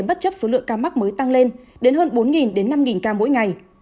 bất chấp số lượng ca mắc mới tăng lên đến hơn bốn đến năm ca mỗi ngày